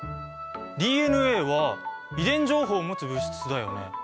ＤＮＡは遺伝情報を持つ物質だよね。